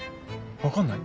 分かんない？